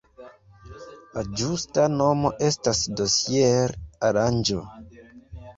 La ĝusta nomo estas dosier-aranĝo.